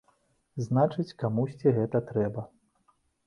Значыць, камусьці гэта трэба.